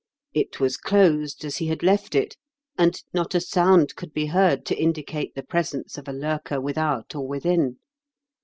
It was closed, as he had left it, and not a sound could be heard to indicate the presence of a lurker without or within.